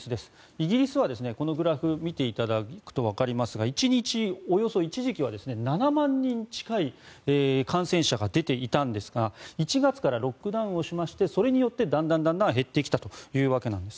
イギリスはこのグラフを見ていただくとわかりますが１日およそ一時期は７万人近い感染者が出ていたんですが１月からロックダウンをしましてそれによってだんだん減ってきたというわけなんです。